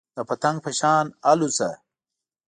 د پتنګ په شان الوځه .